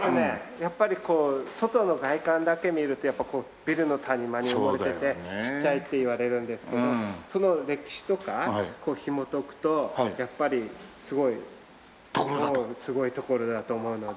やっぱりこう外の外観だけ見るとやっぱこうビルの谷間に埋もれててちっちゃいって言われるんですけどその歴史とかこうひもとくとやっぱりすごいすごい所だと思うので。